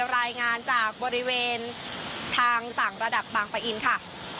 รายงานจากบริเวณทางต่างระดับบางปะอินค่ะ